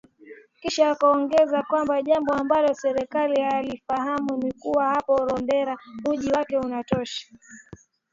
Kisha akaongeza kwamba jambo ambalo serikali hailifahamu ni kuwa hapa Marondera ujio wake unatosha